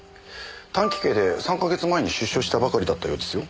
短期刑で３か月前に出所したばかりだったようですよ。